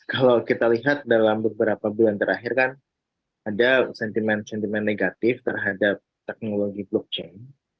kalau kita lihat dalam beberapa bulan terakhir kan ada sentimen sentimen negatif terhadap teknologi blockchain